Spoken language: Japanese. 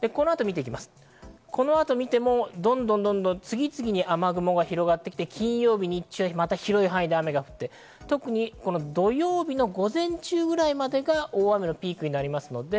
この後を見るとどんどんと次々に雨雲が広がってきて金曜日の日中、広い範囲で雨が降って、特に土曜日の午前中くらいまでが大雨のピークになりそうです。